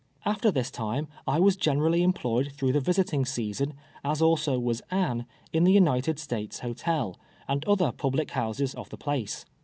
After this time I was generally .employed through the visiting season, as also was Anne, in the United States Hotel, and other public houses of the place.